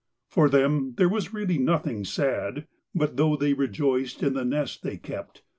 For them there was really nothing sad. But though they rejoiced in the nest they kept.